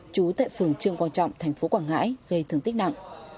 trú tại phường trương quang trọng tp quảng ngãi gây thương tích nặng